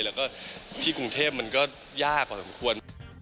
แล้วก็ที่กรุงเทพมันก็ยากพอสมควร